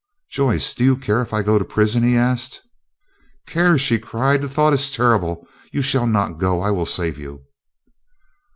"Joyce, do you care if I go to prison?" he asked. "Care?" she cried. "The thought is terrible. You shall not go, I will save you."